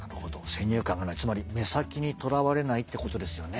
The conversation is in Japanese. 先入観がないつまり目先にとらわれないってことですよね。